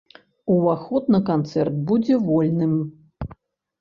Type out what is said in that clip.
Уваход на канцэрт будзе вольным.